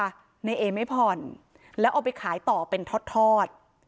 เปิดค่ะนาเอมให้พรแล้วเอาไปขายต่อเป็นทอดทอด